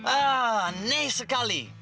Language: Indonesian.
ah aneh sekali